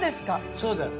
そうです。